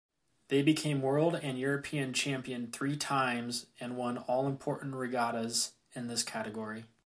They became world and European champion three times and won all important regattas in this category.